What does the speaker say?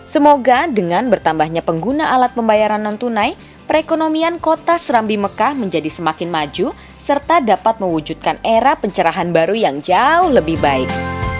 semoga dengan bertambahnya pengguna alat pembayaran non tunai perekonomian kota serambi mekah menjadi semakin maju serta dapat mewujudkan era pencerahan baru yang jauh lebih baik